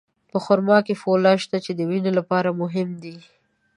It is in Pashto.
په خرما کې فولاد شته، چې د وینې لپاره مهم دی.